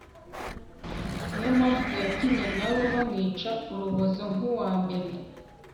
ni yo mpamvu yatumye na we bamwica urubozo nk'uwa mbere